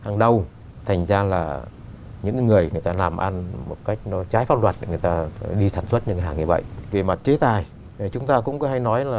nó không nghiêm không mạnh